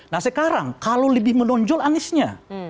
nah sekarang kalau lebih menonjol aniesnya